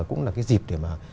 cũng là cái dịp để mà